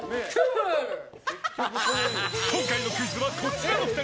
今回のクイズはこちらの２人。